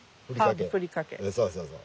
そうそうそう。